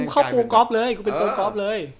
กรูกรอฟเลย